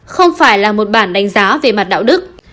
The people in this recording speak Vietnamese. không phải là một bản đánh giá về mặt đạo đức